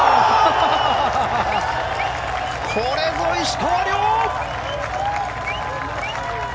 これぞ石川遼！